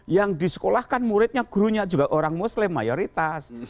yang disekolahkan muridnya gurunya juga orang muslim mayoritas